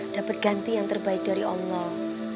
dapat ganti yang terbaik dari allah